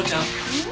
うん？